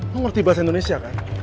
lo ngerti bahasa indonesia kan